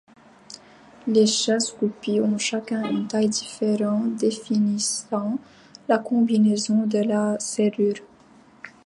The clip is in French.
Les chasse-goupilles ont chacun une taille différente définissant la combinaison de la serrure.